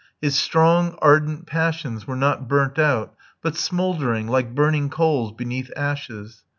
His strong, ardent passions were not burnt out, but smouldering, like burning coals beneath ashes.